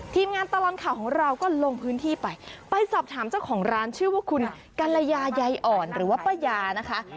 ทีมงานตลอดข่าวของเราก็ลงพื้นที่ไปไปสอบถามเจ้าของร้านชื่อว่าคุณกัลยาใยอ่อนหรือว่าป้ายานะคะ